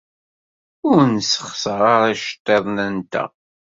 Ur nessexṣer ara iceḍḍiḍen-nteɣ.